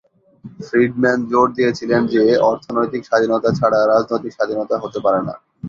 Friedman জোর দিয়েছিলেন যে অর্থনৈতিক স্বাধীনতা ছাড়া রাজনৈতিক স্বাধীনতা হতে পারে না।